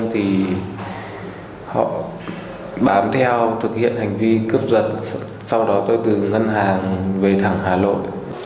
thì họ bám theo thực hiện hành vi cướp giật sau đó tôi từ ngân hàng về thẳng hà nội